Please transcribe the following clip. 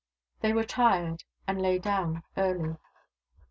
They were tired, and laj^ down early.